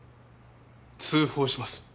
通報します。